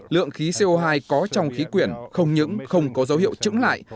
lượng khí co hai có trong khí quyển không những không có dấu hiệu trứng lại